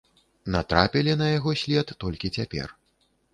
Натрапілі на яго след толькі цяпер.